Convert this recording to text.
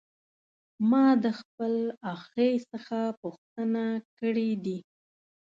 ما د خپل اخښي څخه پوښتنې کړې دي.